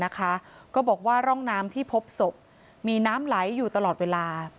ก็บอกว่าร่องน้ำที่พบศพมีน้ำไหลอยู่ตลอดเวลา